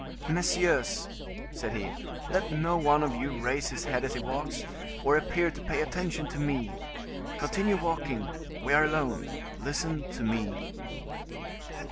"Messieurs," said he, "let no one of you raise his head as he walks, or appear to pay attention to me; continue walking, we are alone, listen to me."